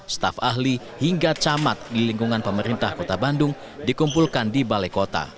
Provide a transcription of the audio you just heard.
staf ahli hingga camat di lingkungan pemerintah kota bandung dikumpulkan di balai kota